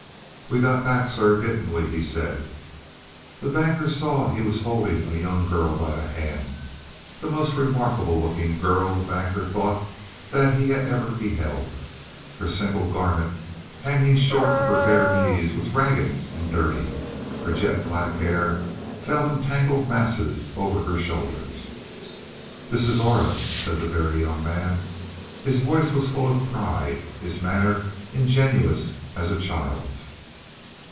"We got back, sir, didn't we?" he said. The Banker saw he was holding a young girl by the hand the most remarkable looking girl, the Banker thought, that he had ever beheld. Her single garment, hanging short of her bare knees, was ragged and dirty; her jet black hair fell in tangled masses over her shoulders. "This is Aura," said the Very Young Man. His voice was full of pride; his manner ingenuous as a child's.